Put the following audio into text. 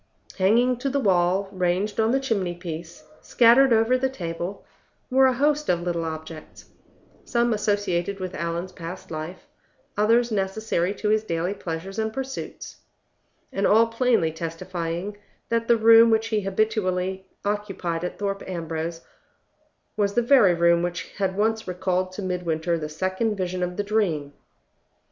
Hanging to the wall, ranged on the chimney piece, scattered over the table, were a host of little objects, some associated with Allan's past life, others necessary to his daily pleasures and pursuits, and all plainly testifying that the room which he habitually occupied at Thorpe Ambrose was the very room which had once recalled to Midwinter the second vision of the dream.